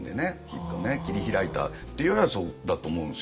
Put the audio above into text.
きっとね切り開いたっていうのはそこだと思うんですよね。